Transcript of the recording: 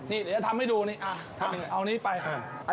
นี่เดี๋ยวจะทำให้ดูนี่เอานี้ไป